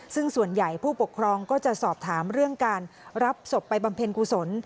ซึ่งส่วนใหญ่ผู้ปกครองก็จะสอบถามเรื่องการรับศพไปบำเพ็ญกุศล